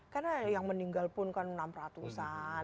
karena yang meninggal pun kan enam ratusan